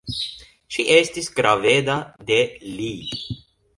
Ŝi estis graveda de li.